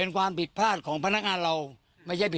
ใครก็ดึงไม่ออก